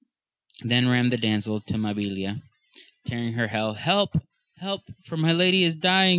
Then ran the damsel to MabiHa tearing her hair. Help, help, for my lady is dying.